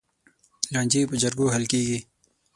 لانجې په جرګو حل کېږي.